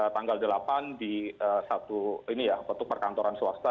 tanggal delapan di satu perkantoran swasta